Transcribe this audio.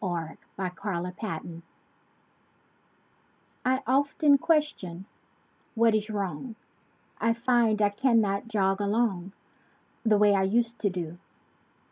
NOT LIKE I USED TO DO I often question—"What is wrong?" I find I cannot jog along The way I used to do.